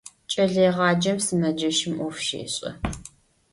Кӏэлэегъаджэм сымэджэщым ӏоф щешӏэ.